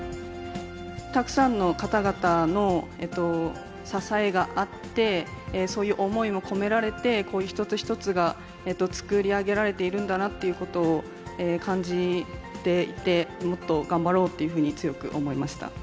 たくさんの方々の支えがあって、そういう思いも込められて、こういう一つ一つが作り上げられているんだなっていうことを感じていて、もっと頑張ろうというふうに強く思いました。